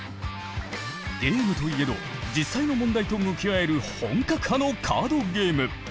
ゲームといえど実際の問題と向き合える本格派のカードゲーム。